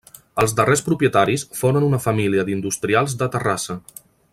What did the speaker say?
Els darrers propietaris foren una família d'industrials de Terrassa.